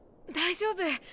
大丈夫。